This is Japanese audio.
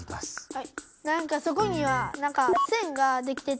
はい。